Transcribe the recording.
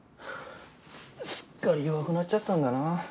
すっかり弱くなっちゃったんだな。